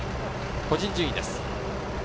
個人順位です。